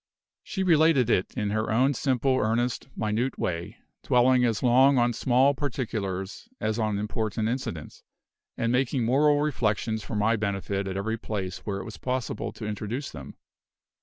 She related it in her own simple, earnest, minute way; dwelling as long on small particulars as on important incidents; and making moral reflections for my benefit at every place where it was possible to introduce them.